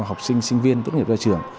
học sinh sinh viên tốt nghiệp ra trường